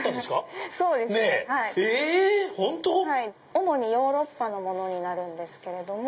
本当⁉主にヨーロッパのものになるんですけれども。